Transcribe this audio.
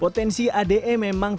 potensi ade memang tidak terjadi